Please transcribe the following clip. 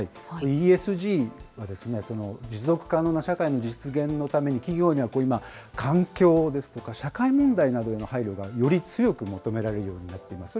ＥＳＧＥＳＧは、持続可能な社会の実現のために、企業には今、環境ですとか社会問題などへの配慮がより強く求められるようになっています。